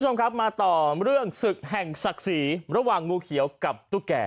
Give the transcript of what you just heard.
คุณผู้ชมครับมาต่อเรื่องศึกแห่งศักดิ์ศรีระหว่างงูเขียวกับตุ๊กแก่